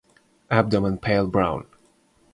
Abdomen pale brown.